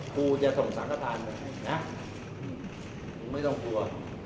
กูจะส่งสังค์ก็ทันน่ะมึงไม่ต้องกลัว